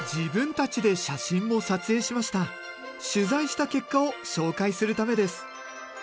取材した結果を紹介するためです。